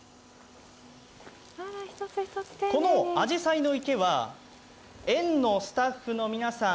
このあじさいの池は園のスタッフの皆さん